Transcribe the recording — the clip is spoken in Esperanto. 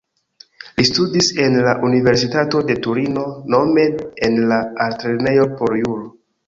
Li studis en la Universitato de Torino, nome en la Altlernejo por Juro.